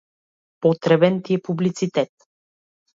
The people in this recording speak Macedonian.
Потребен ти е публицитет.